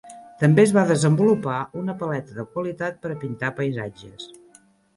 També es va desenvolupar una paleta de qualitat per a pintar paisatges.